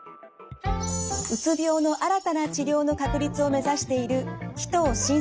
うつ病の新たな治療の確立を目指している鬼頭伸輔さん。